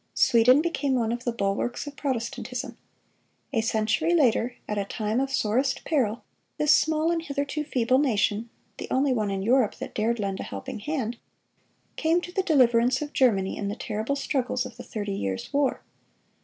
Sweden became one of the bulwarks of Protestantism. A century later, at a time of sorest peril, this small and hitherto feeble nation—the only one in Europe that dared lend a helping hand—came to the deliverance of Germany in the terrible struggles of the Thirty Years' War.